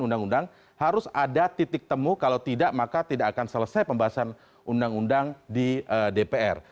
undang undang harus ada titik temu kalau tidak maka tidak akan selesai pembahasan undang undang di dpr